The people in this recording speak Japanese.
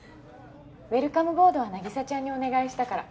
ウェルカムボードは凪沙ちゃんにお願いしたから。